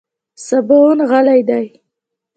سباوون غلی دی .